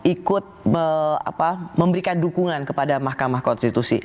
ikut memberikan dukungan kepada mahkamah konstitusi